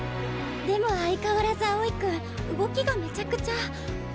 でも相変わらず青井君動きがめちゃくちゃ。